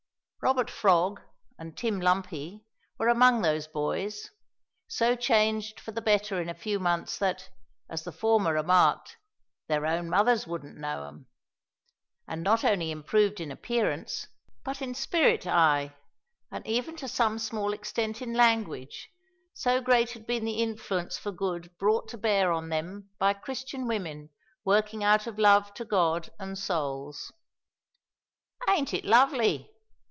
Robert Frog and Tim Lumpy were among those boys, so changed for the better in a few months that, as the former remarked, "their own mothers wouldn't know 'em," and not only improved in appearance, but in spirit, ay, and even to some small extent in language so great had been the influence for good brought to bear on them by Christian women working out of love to God and souls. "Ain't it lovely?"